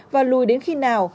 và lùi đến khi nào